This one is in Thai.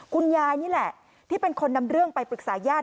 คุณยายนี่แหละที่เป็นคนนำเรื่องไปปรึกษาญาติ